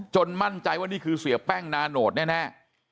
มั่นใจว่านี่คือเสียแป้งนาโนตแน่